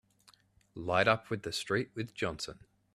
Light up with the street with Johnson!